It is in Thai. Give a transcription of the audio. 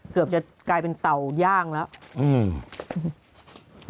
เกือบจะกลายเป็นเต่าย่างแล้ว